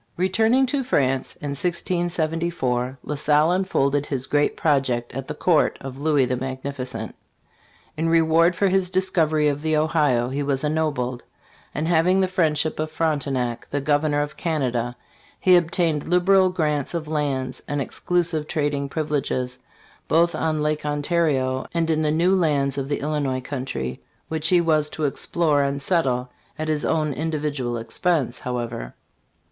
Returning to France in 1674, La Salle unfolded his great project at the court of Louis the Magnificent. In reward for his discovery of the Ohio he was ennobled ; and having the friendship of Frontenac, the governor of Canada, he obtained liberal grants of lands and exclusive trading privileges both on Lake Ontario and in the new lands of the Illinois country, which he was to explore and settle at his own individual expense, however.